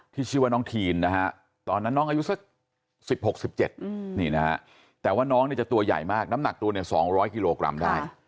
ที่ชื่อว่าน้องทีนตอนนั้นน้องอายุสัก๑๖๑๗แต่ว่าน้องจะตัวใหญ่มากน้ำหนักตัว๒๐๐กิโลกรัมได้